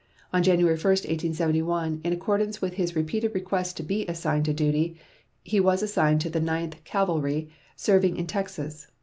On January 1, 1871, in accordance with his repeated requests to be assigned to duty, he was assigned to the Ninth Cavalry, serving in Texas.